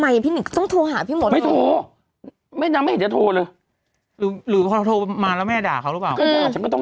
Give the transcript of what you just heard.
ยังไม่ได้โทรหาฉัน